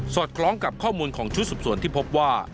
คล้องกับข้อมูลของชุดสืบสวนที่พบว่า